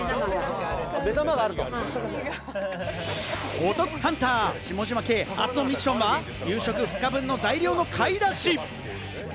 お得ハンター・下嶋兄、初のミッションは夕食２日分の材料の買い出し。